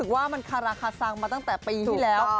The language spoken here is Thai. ว่ามันคาราคาซังมาตั้งแต่ปีที่แล้ว